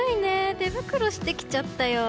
手袋してきちゃったよ。